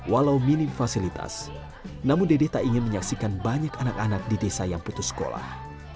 walau minim fasilitas namun dede tak ingin menyaksikan banyak anak anak di desa yang putus sekolah